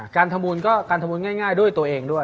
การทำบุญก็การทำบุญง่ายด้วยตัวเองด้วย